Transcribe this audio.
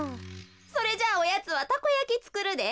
それじゃあおやつはたこやきつくるで。